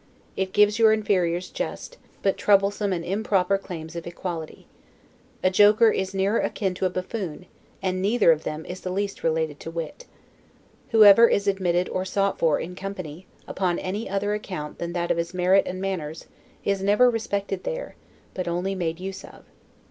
It gives your inferiors just, but troublesome and improper claims of equality. A joker is near akin to a buffoon; and neither of them is the least related to wit. Whoever is admitted or sought for, in company, upon any other account than that of his merit and manners, is never respected there, but only made use of.